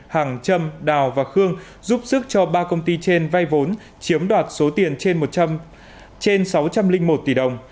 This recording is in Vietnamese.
hàng trâm đào và khương giúp sức cho ba công ty trên vai vốn chiếm đoạt số tiền trên sáu trăm linh một tỷ đồng